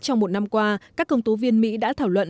trong một năm qua các công tố viên mỹ đã thảo luận